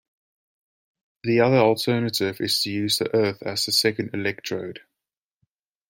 The other alternative is to use the Earth as the second electrode.